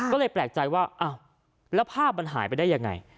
ก็เลยแปลกใจว่าอ้าวแล้วภาพมันหายไปได้ยังไง